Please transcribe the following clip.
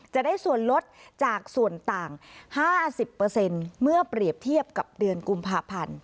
จะได้ส่วนลดจากส่วนต่าง๕๐เมื่อเปรียบเทียบกับเดือนกุมภาพันธ์